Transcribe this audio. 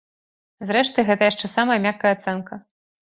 Зрэшты, гэта яшчэ самая мяккая ацэнка.